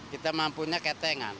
kita mampunya ketengan